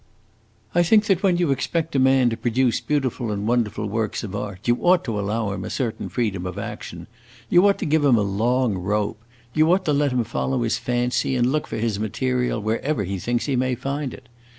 "I think that when you expect a man to produce beautiful and wonderful works of art, you ought to allow him a certain freedom of action, you ought to give him a long rope, you ought to let him follow his fancy and look for his material wherever he thinks he may find it!